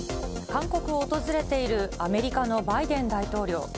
韓国を訪れているアメリカのバイデン大統領。